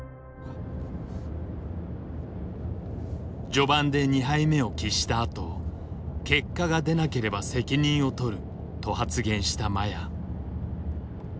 序盤で２敗目を喫したあと「結果が出なければ責任をとる」と発言した麻也。